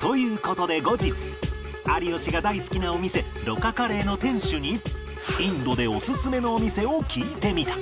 という事で後日有吉が大好きなお店魯珈カレーの店主にインドでおすすめのお店を聞いてみた